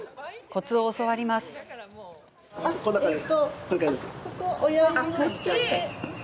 コツを教わります。